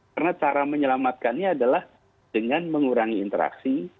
karena cara menyelamatkannya adalah dengan mengurangi interaksi